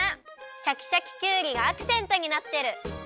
シャキシャキきゅうりがアクセントになってる。